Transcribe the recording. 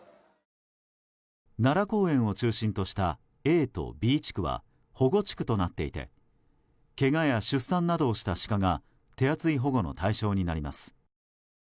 奈良公園を中心としたＡとＢ地区は保護地区となっていてけがや出産などをしたシカが手厚い保護の対象になります。